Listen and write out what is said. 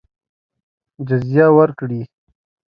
جزیه ورکړي.